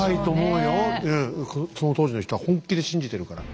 うんその当時の人は本気で信じてるから。